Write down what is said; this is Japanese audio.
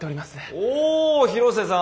おう広瀬さん！